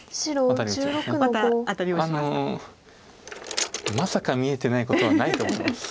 あのまさか見えてないことはないと思います。